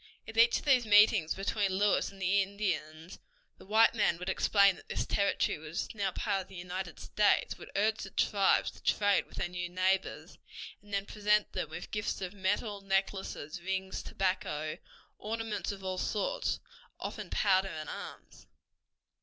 At each of these meetings between Lewis and the Indians the white man would explain that this territory was now part of the United States, would urge the tribes to trade with their new neighbors, and then present them with gifts of medals, necklaces, rings, tobacco, ornaments of all sorts, and often powder and arms.